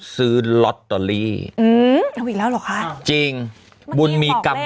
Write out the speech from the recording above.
สุดท้ายสุดท้าย